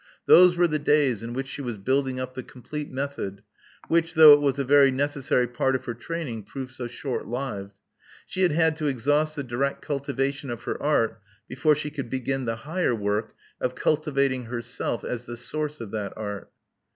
Those were the days in which she was building up the complete method which, though it was a very necessary part of her training, proved so shortlived. She had had to exhaust the direct cultivation of her art before she could begin the higher work of cultivating herself as the source of that art.